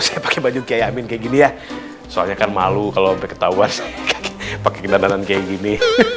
saya pakai baju kaya minyak gini ya soalnya kan malu kalau ketawa pakai benda benda kayak gini